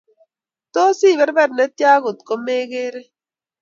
Tos, iberber netyaa kotkomegerei?